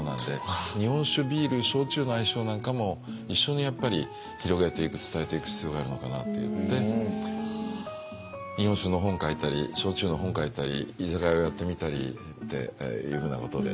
日本酒ビール焼酎の相性なんかも一緒にやっぱり広げていく伝えていく必要があるのかなっていって日本酒の本書いたり焼酎の本書いたり居酒屋をやってみたりっていうふうなことで。